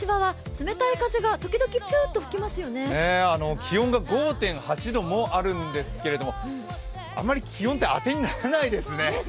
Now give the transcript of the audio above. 気温が５．８度もあるんですけど、あまり気温って当てにならないですね。